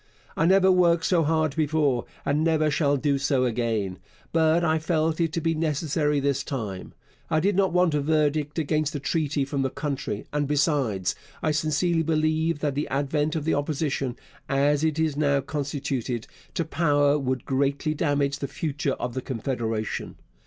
I never worked so hard before, and never shall do so again; but I felt it to be necessary this time. I did not want a verdict against the treaty from the country, and besides, I sincerely believe that the advent of the Opposition, as it is now constituted, to power would greatly damage the future of Confederation.